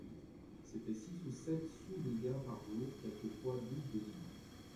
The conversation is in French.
C’étaient six ou sept sous de gain par jour, quelquefois douze le dimanche.